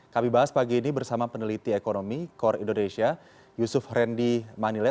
kami bahas pagi ini bersama peneliti ekonomi kor indonesia yusuf rendy manile